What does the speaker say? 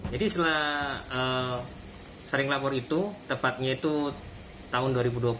jadi setelah sering lapor itu tepatnya itu tahun dua ribu dua puluh